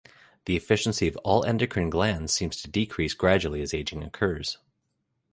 The efficiency of all endocrine glands seems to decrease gradually as aging occurs.